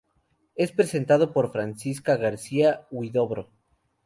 Es presentado por Francisca García-Huidobro.